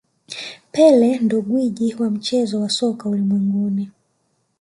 pele ndo gwiji wa mchezo wa soka ulimwenguni